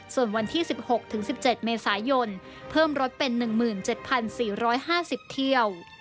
ส่วนวันที่๑๖๑๗เมษายนเพิ่มรถเป็น๑๗๔๕๐เที่ยว